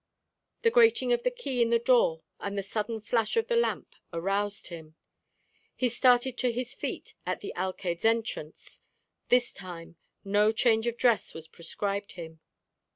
The grating of the key in the door and the sudden flash of the lamp aroused him. He started to his feet at the alcayde's entrance. This time no change of dress was prescribed him.